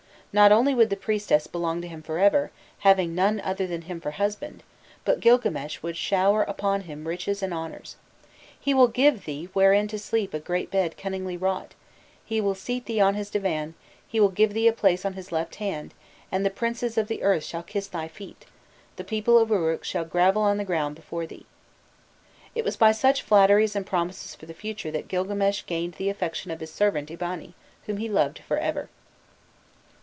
Not only would the priestess belong to him for ever, having none other than him for husband, but Gilgames would shower upon him riches and honours. "He will give thee wherein to sleep a great bed cunningly wrought; he will seat thee on his divan, he will give thee a place on his left hand, and the princes of the earth shall kiss thy feet, the people of Uruk shall grovel on the ground before thee." It was by such flatteries and promises for the future that Gilgames gained the affection of his servant Eabani, whom he loved for ever.